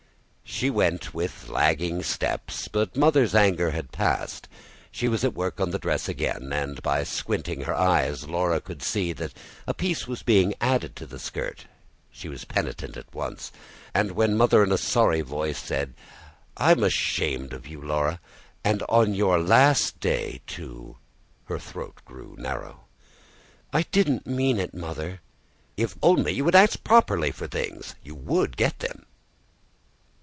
She went, with lagging steps. But Mother's anger had passed: she was at work on the dress again, and by squinting her eyes Laura could see that a piece was being added to the skirt. She was penitent at once; and when Mother in a sorry voice said: "I'm ashamed of you, Laura. And on your last day, too," her throat grew narrow. "I didn't mean it, mother." "If only you would ask properly for things, you would get them."